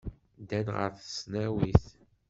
Ddan ɣer tesnawit.